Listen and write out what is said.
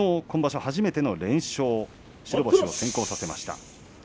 今場所初めての連勝白星を先行させました。